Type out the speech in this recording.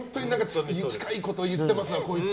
近いこと言ってますよ、こいつ。